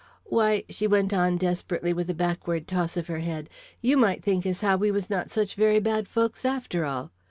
"Why," she went on desperately, with a backward toss of her head, "you might think as how we was not such very bad folks after all.